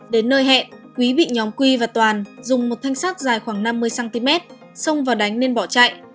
đến nơi hẹn quý bị nhóm quy và toàn dùng một thanh sắt dài khoảng năm mươi cm xông vào đánh nên bỏ chạy